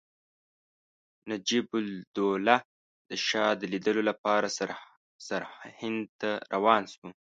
نجیب الدوله د شاه د لیدلو لپاره سرهند ته روان شوی.